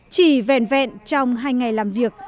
chỉ vẹn vẹn trong hai ngày làm việc